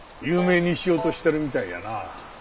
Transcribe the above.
有名にしようとしてるみたいやな。